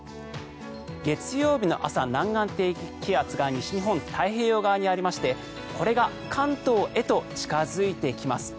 月曜日の朝、南岸低気圧が西日本、太平洋側にありましてこれが関東へと近付いてきます。